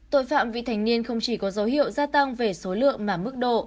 tội phạm vị thành niên không chỉ có dấu hiệu gia tăng về số lượng mà mức độ